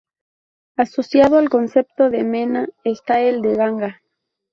Asociado al concepto de mena, está el de ganga.